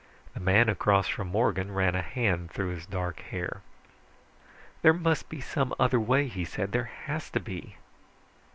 The man across from Morgan ran a hand through his dark hair. "There must be some other way," he said. "There has to be."